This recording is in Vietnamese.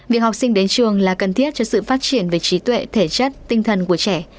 việc học sinh đến trường là cần thiết cho sự phát triển về trí tuệ thể chất tinh thần của trẻ